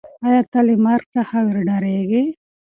آیا ته له مرګ څخه ډارېږې؟